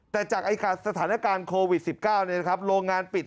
แต่จากสถานการณ์โควิด๑๙โรงงานปิด